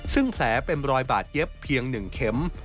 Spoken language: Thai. ซึ่งแผลเป็นรอยบาดเย็บเพียง๑เข็ม